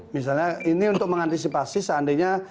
misalnya ini untuk mengantisipasi seandainya